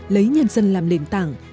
lấy nhân dân làm nền tảng